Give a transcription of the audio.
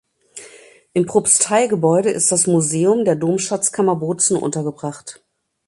Im Propsteigebäude ist das Museum der Domschatzkammer Bozen untergebracht.